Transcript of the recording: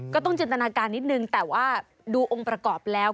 จินตนาการนิดนึงแต่ว่าดูองค์ประกอบแล้ว